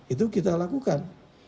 itu kita lakukan